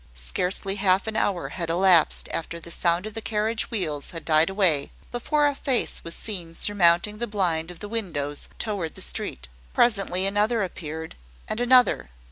Scarcely half an hour had elapsed after the sound of the carriage wheels had died away, before a face was seen surmounting the blind of the windows towards the street. Presently another appeared, and another.